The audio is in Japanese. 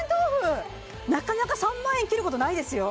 なかなか３万円切ることないですよ